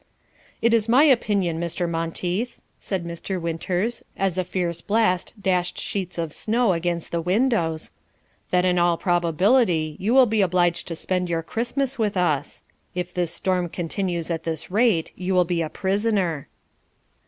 "It is my opinion, Mr. Monteith," said Mr. Winters, as a fierce blast dashed sheets of snow against the windows, "that, in all probability, you will be obliged to spend your Christmas with us. If this storm continues at this rate you will be a prisoner."